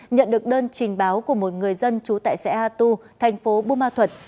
nhận được đơn trình báo của một người dân trú tại xã a tu thành phố bù ma thuật